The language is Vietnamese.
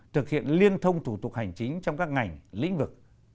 thực hiện liên thông thủ tục hành chính trong các ngành lĩnh vực